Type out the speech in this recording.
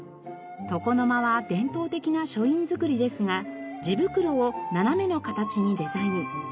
床の間は伝統的な書院造りですが地袋を斜めの形にデザイン。